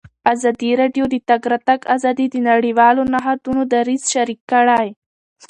ازادي راډیو د د تګ راتګ ازادي د نړیوالو نهادونو دریځ شریک کړی.